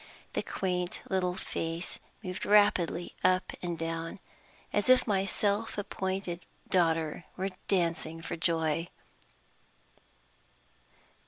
The quaint little face moved rapidly up and down, as if my self appointed daughter were dancing for joy!